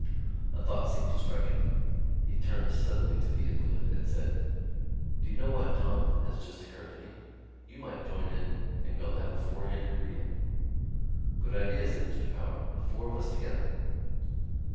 A thought seemed to strike him. He turned suddenly to the invalid and said: "D'ye know what, Tom, has just occurred to me? You might join in and we'd have a four handed reel." "Good idea," said Mr Power. "The four of us together."